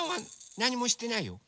なにもしてないよ。